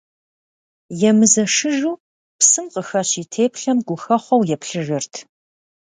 Емызэшыжу псым къыхэщ и теплъэм гухэхъуэу еплъыжырт.